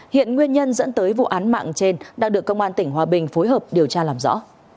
hiện nguyên nhân dẫn tới vụ án mạng trên đang được công an tỉnh hòa bình phối hợp điều tra làm rõ